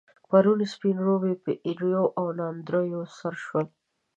پرون، سپين روبي په ايريو او ناندريو سر شول.